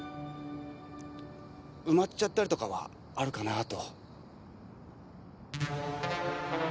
埋まっちゃったりとかはあるかなぁと。